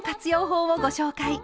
法をご紹介。